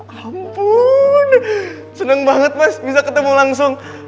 ya ampun seneng banget mas bisa ketemu langsung